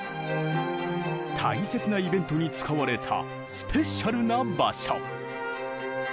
大切なイベントに使われたスペシャルな場所。